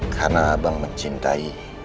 karena abang mencintai